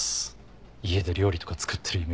家で料理とか作ってるイメージ